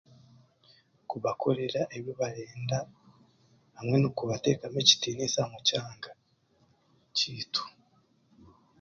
Kubakorera ebi barenda hamwe n'okubateekamu ekitiinisa omu kyanga kyaitu